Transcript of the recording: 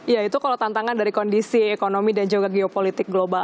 ya itu kalau tantangan dari kondisi ekonomi dan juga geopolitik global